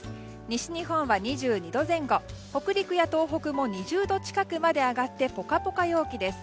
西日本は２２度前後北陸や東北も２０度近くまで上がって、ポカポカ陽気です。